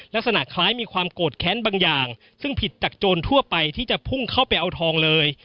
ลักษณะคล้ายมีความโกรธแค้นบางอย่างซึ่งผิดจากโจรทั่วไปที่จะพุ่งเข้าไปเอาทองเลย